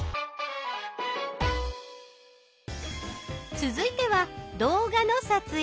続いては動画の撮影。